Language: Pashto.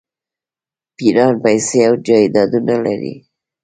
پیران پیسې او جایدادونه لري.